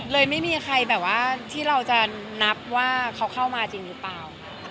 เลยไม่มีใครแบบว่าที่เราจะนับว่าเขาเข้ามาจริงหรือเปล่า